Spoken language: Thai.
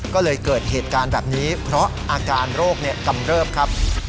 ก็เลยเกิดเหตุการณ์แบบนี้เพราะอาการโรคกำเริบครับ